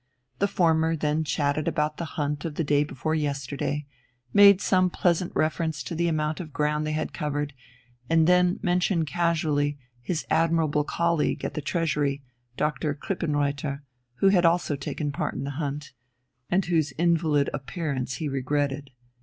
The former then chatted about the hunt of the day before yesterday, made some pleasant reference to the amount of ground they had covered, and then mentioned casually his admirable colleague at the Treasury, Dr. Krippenreuther, who had also taken part in the hunt, and whose invalid appearance he regretted.